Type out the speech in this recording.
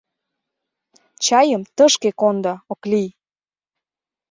— Чайым тышке кондо, Окли.